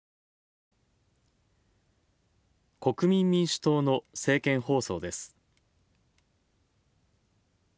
国民民主党の政見放送です。